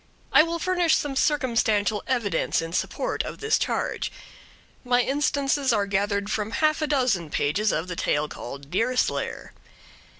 I will furnish some circumstantial evidence in support of this charge. My instances are gathered from half a dozen pages of the tale called Deerslayer.